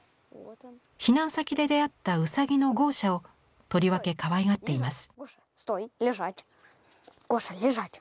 避難先で出会ったうさぎのゴーシャをとりわけかわいがっています。